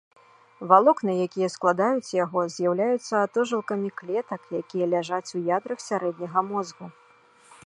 Валокны, якія складаюць яго, з'яўляюцца атожылкамі клетак, якія ляжаць у ядрах сярэдняга мозгу.